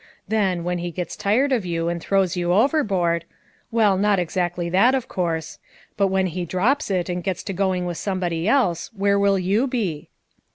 Then, when he gets tired of you and throws you overboard — well, not exactly that, of course, but when he drops it and gets to going with somebody else where will you be?"